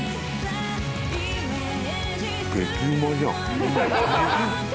激うまじゃん。